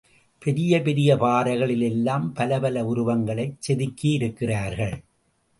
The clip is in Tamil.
பெரிய பெரிய பாறைகளில் எல்லாம் பல பல உருவங்களைச் செதுக்கியிருக்கிறார்கள்.